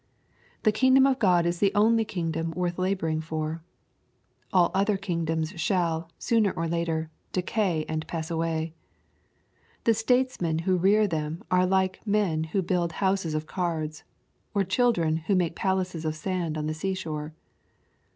The kingdom of God is the only kingdom worth la boring for. All other kingdoms shall, sooner or later, decay and pass away. The statesmen who rear them are like men who build houses of cards, or children, who make palaces of sand on the sea shore.